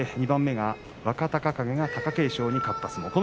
２番目が若隆景が貴景勝に勝った相撲。